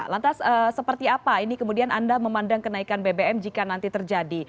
lantas seperti apa ini kemudian anda memandang kenaikan bbm jika nanti terjadi